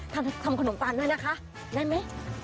ทำขนมตาลด้วยนะคะได้ไหม